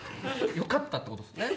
よかったってことですね。